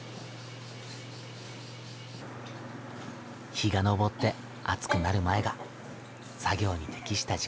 日が昇って暑くなる前が作業に適した時間だ。